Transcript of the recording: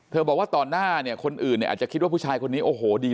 บอกว่าต่อหน้าเนี่ยคนอื่นเนี่ยอาจจะคิดว่าผู้ชายคนนี้โอ้โหดี